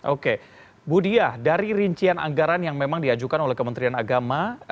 oke bu diah dari rincian anggaran yang memang diajukan oleh kementerian agama